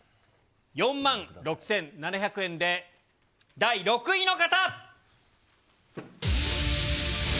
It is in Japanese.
４万６７００円で、第６位の方。